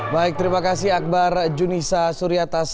baik terima kasih akbar junisa suryata